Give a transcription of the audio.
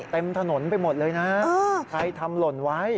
เต็มถนนไปหมดเลยนะใครทำหล่นไว้